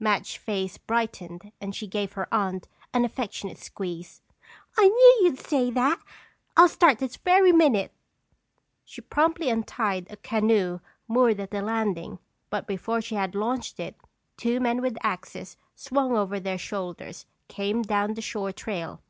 Madge's face brightened and she gave her aunt an affectionate squeeze. "I knew you'd say that! I'll start this very minute!" She promptly untied a canoe moored at the landing but before she could launch it two men with axes swung over their shoulders came down the shore trail.